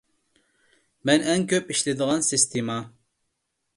مەن ئەڭ كۆپ ئىشلىتىدىغان سىستېما.